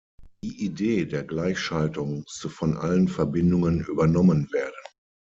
Die Idee der Gleichschaltung musste von allen Verbindungen übernommen werden.